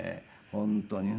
本当にね